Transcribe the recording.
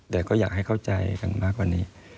แต่ก็อยากให้เข้าใจกันมากกว่านี้